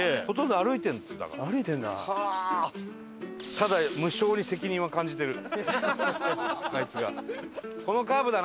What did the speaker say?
ただ無性に責任は感じてるあいつが。